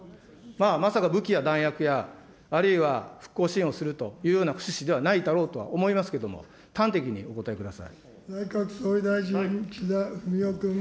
まあ、まさか武器や弾薬や、あるいは復興支援をするというような趣旨ではないだろうと思いま内閣総理大臣、岸田文雄君。